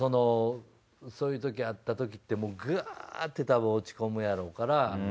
そういう時あったときってガーッてたぶん落ち込むやろうから。